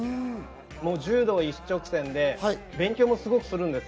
柔道一直線で勉強もすごくするんです。